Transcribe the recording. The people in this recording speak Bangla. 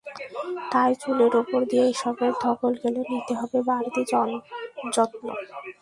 তাই চুলের ওপর দিয়ে এসবের ধকল গেলে নিতে হবে বাড়তি যত্ন।